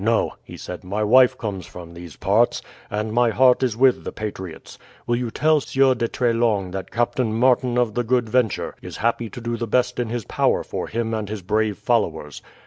"No," he said, "my wife comes from these parts, and my heart is with the patriots. Will you tell Sieur de Treslong that Captain Martin of the Good Venture is happy to do the best in his power for him and his brave followers.